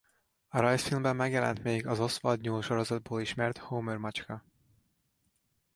A rajzfilmben megjelent még az Oswald nyúl-sorozatból ismert Homer macska.